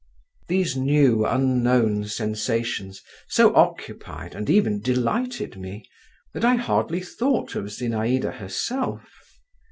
These new unknown sensations so occupied and even delighted me, that I hardly thought of Zinaïda herself.